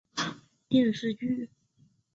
此剧为深津绘里初次担任主演的电视剧。